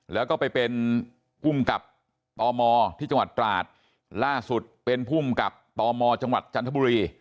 แล้วก็ไปเป็นภูมิกับตมที่จังหวัดตราดล่าสุดเป็นภูมิกับตมจังหวัดจันทบุรี